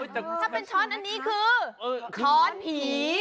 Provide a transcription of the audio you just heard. ถ้าเป็นช้อนอันนี้คือค้อนผี